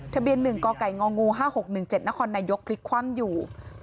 ทะเบียนหนึ่งกไก่งงห้าหกหนึ่งเจ็ดนครนายกพลิกความอยู่